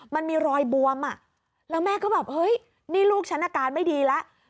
มันมีรอยบวมอ่ะแล้วแม่ก็แบบเฮ้ยนี่ลูกฉันอาการไม่ดีแล้ว